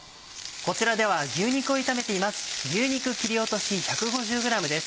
こちらでは牛肉を炒めています。